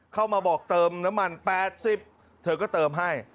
เข้ามาบอกเติมน้ำมัน๘๐เธอก็เติมให้